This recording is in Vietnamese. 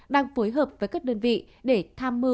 đang phối hợp với các đơn vị để tham mưu